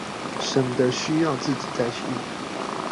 省得需要自己再去印